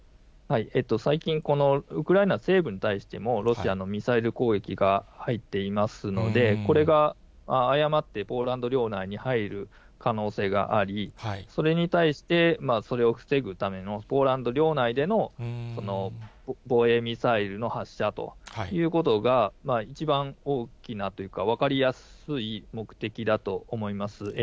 最近、このウクライナ西部に対しても、ロシアのミサイル攻撃が入っていますので、これが誤って、ポーランド領内に入る可能性があり、それに対して、それを防ぐための、ポーランド領内での防衛ミサイルの発射ということが、一番大きなというか、分かりやすい目的だと思います。